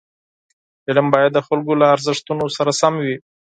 فلم باید د خلکو له ارزښتونو سره سم وي